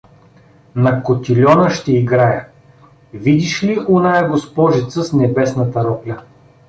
— На котильона ще играя… Видиш ли оная госпожица с небесната рокля?